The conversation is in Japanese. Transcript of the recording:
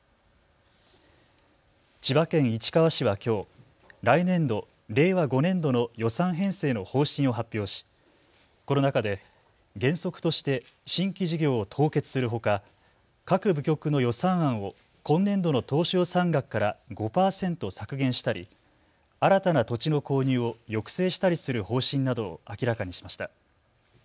千葉県市川市はきょう、来年度・令和５年度の予算編成の方針を発表しこの中で原則として新規事業を凍結するほか各部局の予算案を今年度の当初予算額から５％削減したり新たな土地の購入を抑制したりする方針などを明らかにしました。